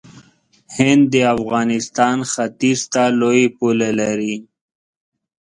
هند د افغانستان ختیځ ته لوی پوله لري.